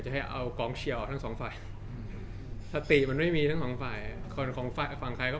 จากตีมันน่าไม่มีทั้งสองฝ่ายมันของฝั่งใครก็